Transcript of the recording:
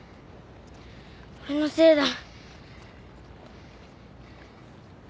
俺のせいだ。